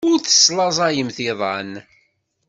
Ur teslaẓayem iḍan.